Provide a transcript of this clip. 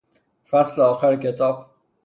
فصل آخر کتاب